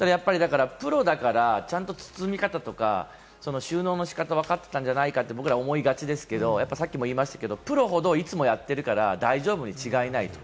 ただプロだから、ちゃんと包み方とか収納の仕方をわかってたんじゃないかって、僕らは思いがちですけれども、さっきも言いましたけれども、プロほど、いつもやってるから大丈夫に違いない。